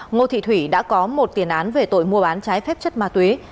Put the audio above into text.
ngô thị thủy đã có một tiền án về tội mua bán trái phép chất ma túy